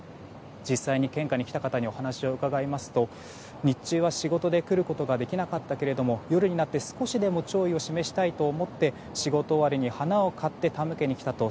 実際に献花に来た方にお話を伺いますと日中は仕事で来ることができなかったけれども夜になって少しでも弔意を示したいと思って仕事終わりに花を買って手向けに来たと。